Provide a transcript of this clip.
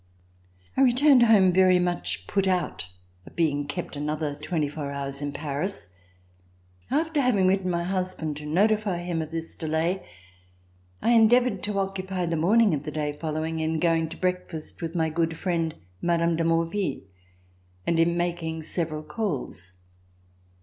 I returned home very much put out at being kept another twenty four hours in Paris. After having written my husband to notify him of this delay, I endeavored to occupy the morning of the day follow THE RETURN OF THE KING ing in going to breakfast with my good friend Mme. de Maurville and in making several calls.